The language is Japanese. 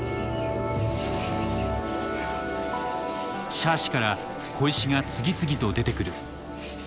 シャーシから小石が次々と出てくる。